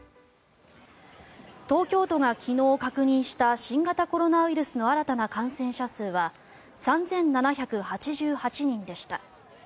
東京都が昨日確認した新型コロナウイルスの新たな感染者数は３７８８人でした。